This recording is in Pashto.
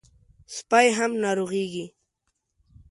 سپي هم ناروغېږي.